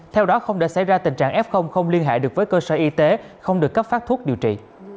theo đó không để xảy ra tình trạng f không liên hệ được với cơ sở y tế không được cấp phát thuốc điều trị